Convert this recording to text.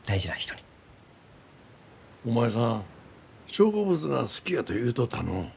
お前さん植物が好きやと言うとったのう。